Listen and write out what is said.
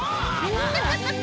ハハハハ。